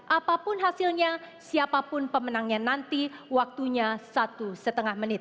apapun hasilnya siapapun pemenangnya nanti waktunya satu lima menit